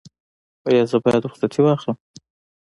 ایا زه باید رخصتي واخلم؟